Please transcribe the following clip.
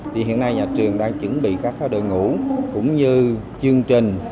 thì hiện nay nhà trường đang chuẩn bị các đội ngũ cũng như chương trình